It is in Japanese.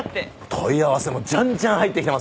問い合わせもじゃんじゃん入ってきてますよ。